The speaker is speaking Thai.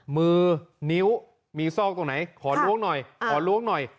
มือนิ้วมีซอกตรงไหนขอล้วงหน่อยขอล้วงหน่อย